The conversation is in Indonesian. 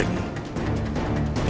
itu gak akan mati